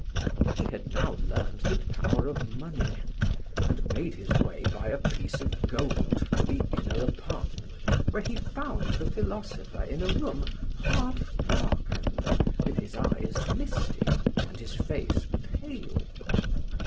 He had now learned the power of money, and made his way by a piece of gold to the inner apartment, where he found the philosopher in a room half darkened, with his eyes misty and his face pale.